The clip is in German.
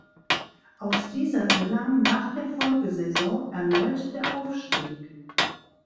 Aus dieser gelang nach der Folgesaison erneut der Aufstieg.